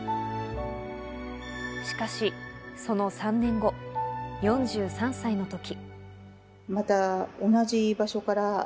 しかしその３年後、４３歳のとき。